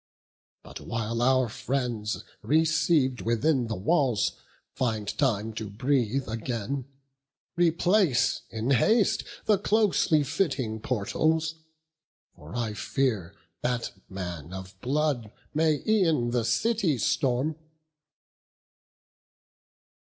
But while our friends, receiv'd within the walls, Find time to breathe again, replace in haste The closely fitting portals; for I fear That man of blood may e'en the city storm."